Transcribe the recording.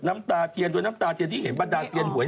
น้ำตาเงี่ยด้วยน้ำตาเงี่ยด้วยน้ำตาเงี่ยด้วย